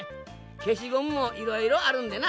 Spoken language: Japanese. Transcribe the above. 消しゴムもいろいろあるんでな。